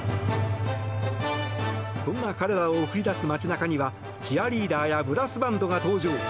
そんな彼らを送り出す街中にはチアリーダーやブラスバンドが登場。